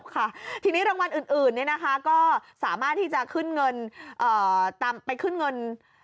ขึ้นเงินได้ที่สาขาทางลับกระซ่อน